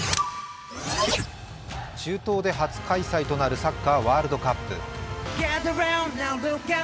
中東で初開催となるサッカーワールドカップ。